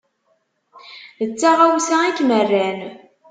D taɣawsa i kem-rran.